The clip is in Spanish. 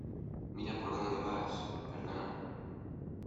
¡ Mira por dónde vas! Perdona.